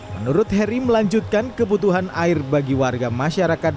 menurut heri melanjutkan kebutuhan air bagi warga masyarakat